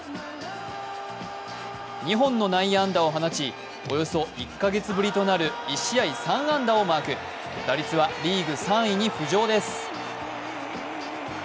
２本の内野安打を放ち、およそ１か月ぶりとなる１試合３安打をマーク、打率はリーグ３位に浮上です。